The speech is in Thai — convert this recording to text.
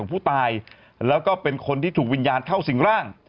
เป็นคนที่ถูกวิญญาณเข้าสิ่งร่าง